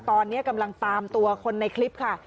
ตอนนี้กำลังตามตัวคนในคลิปค่ะ